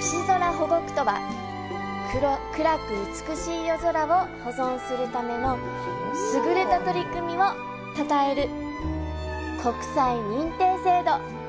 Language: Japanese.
星空保護区とは、暗く美しい夜空を保存するための優れた取り組みをたたえる国際認定制度。